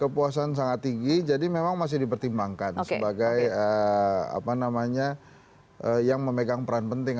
kepuasan sangat tinggi jadi memang masih dipertimbangkan sebagai apa namanya yang memegang peran penting